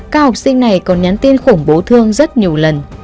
các học sinh này còn nhắn tin khủng bố thương rất nhiều lần